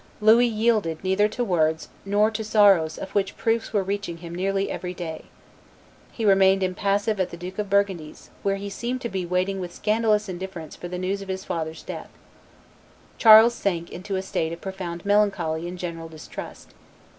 Louis yielded neither to words, nor to sorrows of which proofs were reaching him nearly every day. He remained impassive at the Duke of Burgundy's, where he seemed to be waiting with scandalous indifference for the news of his father's death. Charles sank into a state of profound melancholy and general distrust.